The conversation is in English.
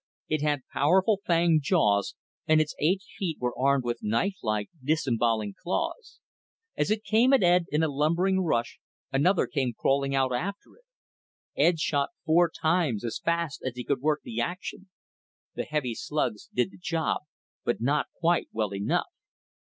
It had powerful fanged jaws and its eight feet were armed with knifelike, disemboweling claws. As it came at Ed in a lumbering rush, another came crawling out after it. Ed shot four times, as fast as he could work the action. The heavy slugs did the job, but not quite well enough.